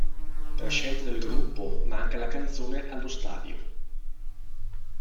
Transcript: Per scelta del gruppo, manca la canzone "Allo stadio".